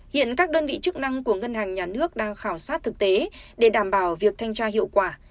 hiện các đơn vị chức năng của ngân hàng nhà nước đang khảo sát thực tế để đảm bảo việc thanh tra hiệu quả